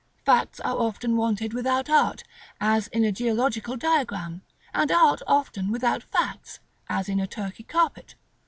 Facts are often wanted without art, as in a geological diagram; and art often without facts, as in a Turkey carpet.